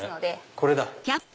これだ！